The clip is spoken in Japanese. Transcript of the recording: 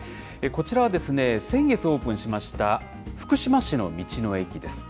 こちらは先月オープンしました、福島市の道の駅です。